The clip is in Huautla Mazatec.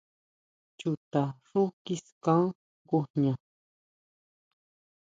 Chuta xú kiskan ngujña.